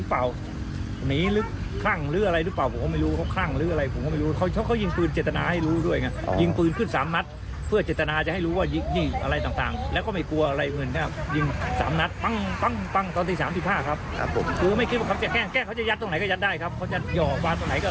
ฟังเถียงเจ้าของบ้านครับ